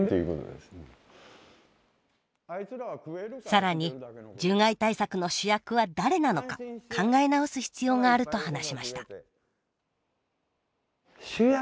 更に獣害対策の主役は誰なのか考え直す必要があると話しました。